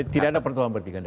tidak ada pertemuan bertiga